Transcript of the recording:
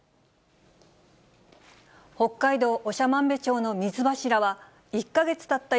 北海道長万部町の水柱は、１か月たった